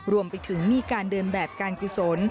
รวมไปถึงมีการเดินแบบการกุศล